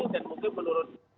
dan mungkin menurut